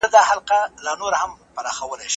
د نعمت اظهار دي وسي.